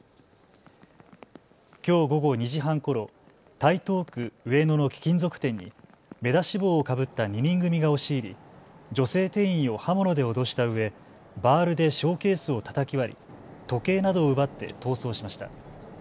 きょう午後２時半ころ台東区上野の貴金属店に目出し帽をかぶった２人組が押し入り女性店員を刃物で脅したうえバールでショーケースをたたき割り時計などを奪って逃走しました。